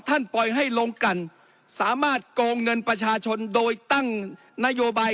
ปล่อยให้โรงกันสามารถโกงเงินประชาชนโดยตั้งนโยบาย